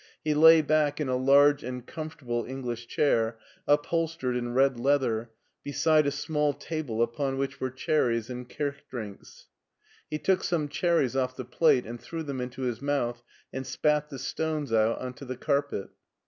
He lay back in a large and comfortable English chair, upholstered in red lea ther, beside a small table upon which were cherries and kirch drinks. He took some cherries off the plate and threw them into his mouth, and spat the stones out on to the carpet.